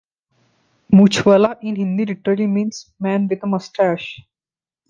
Moochhwala in Hindi literally means "man with a moustache".